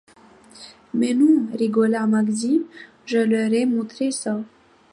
Mais non, rigola Maxime, je leur ai montré ça.